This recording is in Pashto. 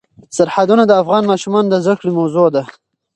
سرحدونه د افغان ماشومانو د زده کړې موضوع ده.